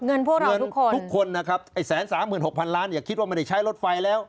พวกเราทุกคนทุกคนนะครับไอ้๑๓๖๐๐ล้านอย่าคิดว่าไม่ได้ใช้รถไฟแล้ว